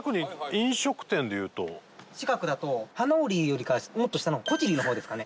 近くだとはなをりよりかはもっと下の湖尻の方ですかね。